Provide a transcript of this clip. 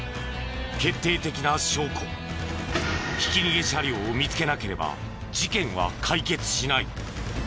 決定的な証拠ひき逃げ車両を見つけなければ事件は解決しない。